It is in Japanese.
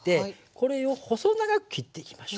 これを細長く切っていきましょう。